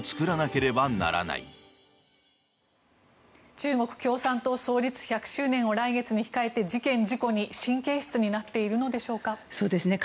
中国共産党創立１００周年を来月に控えて、事件・事故に神経質になっているのでしょうか。